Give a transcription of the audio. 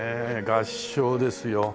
合掌ですよ。